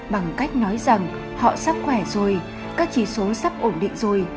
bằng cách nói rằng họ sắc khỏe rồi các chỉ số sắp ổn định rồi